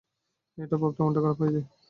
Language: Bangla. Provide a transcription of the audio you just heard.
এটা ভাবতেই মনটা খারাপ হয়ে যায়।